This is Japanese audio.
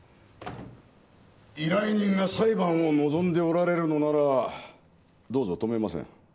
依頼人が裁判を望んでおられるのならどうぞ止めません。